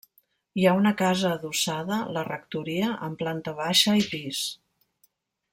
Hi ha una casa adossada, la rectoria, amb planta baixa i pis.